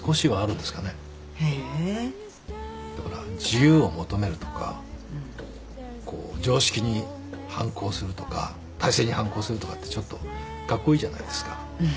自由を求めるとか常識に反抗するとか体制に反抗するとかってちょっとカッコイイじゃないですか。